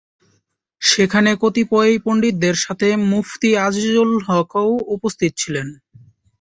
সেখানে কতিপয় পণ্ডিতদের সাথে মুফতি আজিজুল হক’ও উপস্থিত ছিলেন।